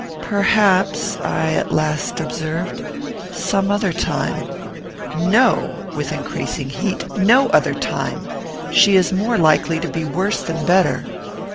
"Perhaps," I at last observed, "some other time " "No," (with increasing heat,) "no other time. She is more likely to be worse than better.